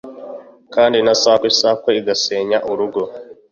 Kandi na sakwe sakwe igasenya urugo